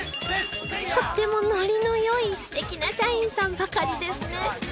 とってもノリの良い素敵な社員さんばかりですね